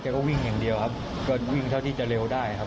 ก็วิ่งอย่างเดียวครับก็วิ่งเท่าที่จะเร็วได้ครับ